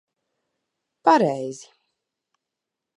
Pareizi.